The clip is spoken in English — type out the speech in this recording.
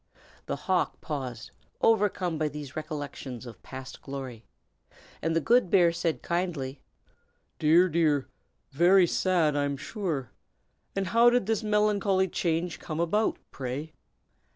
The hawk paused, overcome by these recollections of past glory, and the good bear said kindly, "Dear! dear! very sad, I'm sure. And how did this melancholy change come about, pray?"